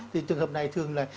thì trường hợp này thường là